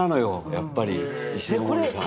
やっぱり石森さん。